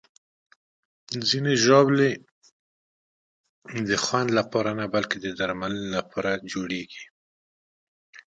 ځینې ژاولې د خوند لپاره نه، بلکې د درملنې لپاره جوړېږي.